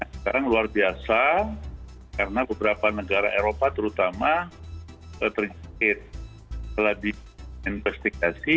sekarang luar biasa karena beberapa negara eropa terutama terdapat pelajaran investigasi